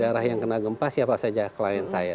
daerah yang kena gempa siapa saja klien saya